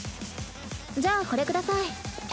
じゃあこれ下さい。